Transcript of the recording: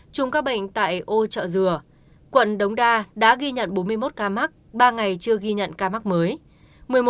một mươi trung ca bệnh tại ô chợ dừa quận đống đa đã ghi nhận bốn mươi một ca mắc ba ngày chưa ghi nhận ca mắc mới